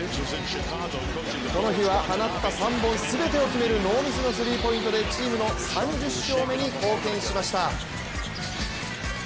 この日は、放った３本全てを決めるノーミスのスリーポイントでチームの３０勝目に貢献しました。